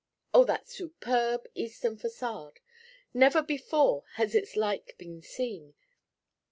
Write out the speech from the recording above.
Oh, that superb eastern façade! Never before has its like been seen.